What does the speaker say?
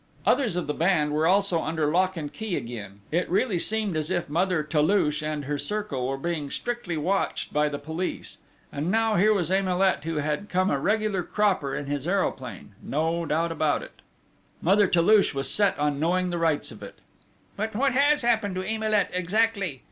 Others of the band were also under lock and key again: it really seemed as if Mother Toulouche and her circle were being strictly watched by the police ... and now here was Emilet who had come a regular cropper in his aeroplane no doubt about it! Mother Toulouche was set on knowing the rights of it: "But what has happened to Emilet exactly?"